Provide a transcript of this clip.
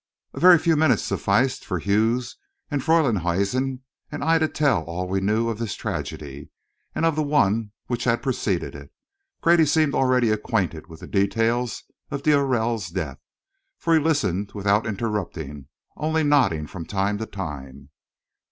A very few minutes sufficed for Hughes and Freylinghuisen and I to tell all we knew of this tragedy and of the one which had preceded it. Grady seemed already acquainted with the details of d'Aurelle's death, for he listened without interrupting, only nodding from time to time.